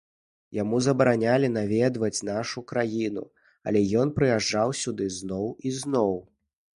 Яму забаранялі наведваць нашу краіну, але ён прыязджаў сюды зноў і зноў.